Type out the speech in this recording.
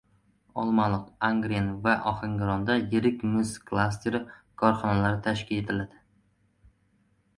Olmaliq, Angren va Ohangaronda “yirik mis klasteri” korxonalari tashkil etiladi